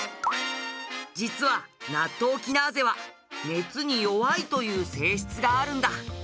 実はナットウキナーゼは熱に弱いという性質があるんだ。